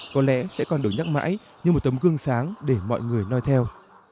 có lẽ sẽ còn được nhắc mãi như một tấm gương sáng để mọi người nói theo